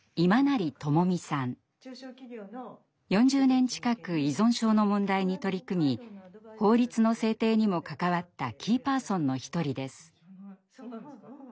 ４０年近く依存症の問題に取り組み法律の制定にも関わったキーパーソンの一人です。